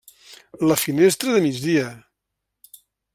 La finestra de migdia.